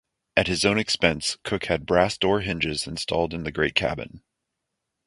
At his own expense Cook had brass door-hinges installed in the great cabin.